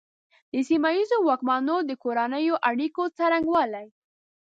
د سیمه ییزو واکمنانو د کورنیو اړیکو څرنګوالي.